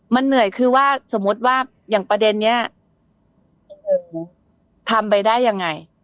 มันเหนื่อยคือว่าสมมุติว่าอย่างประเด็นนี้ทำไปได้ยังไง